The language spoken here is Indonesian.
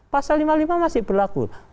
pasal lima puluh lima masih berlaku